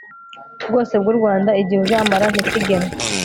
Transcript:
bwose bw u rwanda igihe uzamara ntikigenwe